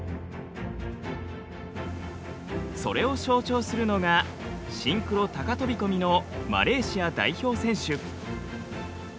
それを象徴するのがシンクロ高飛び込みのマレーシア代表選手。